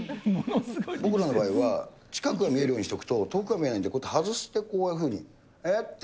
僕の場合は、近くが見えるようにしておくと、遠くが見えないんで、外してこういうふうに、えっ？って。